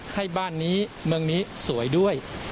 ให้บ้านนี้เมืองนี้สวยด้วย